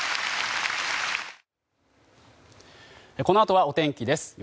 このあとはお天気です。